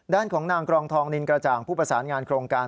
ด้านของนางกรองทองนินกระจ่างผู้ประสานงานโครงการ